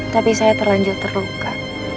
tapi saya terlanjur terluka